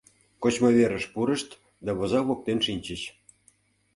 Кочмыверыш пурышт да возак воктен шинчыч.